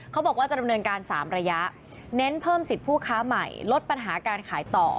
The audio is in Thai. เขาบอกว่าจะดำเนินการ๓ระยะเน้นเพิ่มสิทธิ์ผู้ค้าใหม่ลดปัญหาการขายต่อ